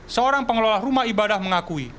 seorang pengelola rumah ibadah mengakui